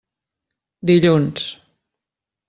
Dilluns.